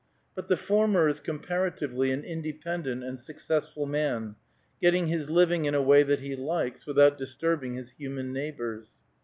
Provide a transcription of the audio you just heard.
But the former is comparatively an independent and successful man, getting his living in a way that he likes, without disturbing his human neighbors.